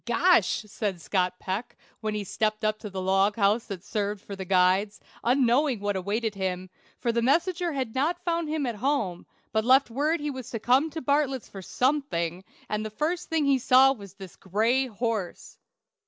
"Gosh!" said Scott Peck, when he stepped up to the log house that served for the guides, unknowing what awaited him, for the messenger had not found him at home, but left word he was to come to Bartlett's for something, and the first thing he saw was this gray horse.